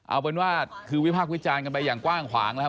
เอาเป็นว่าคือวิภาควิจารณ์ไปควางนะ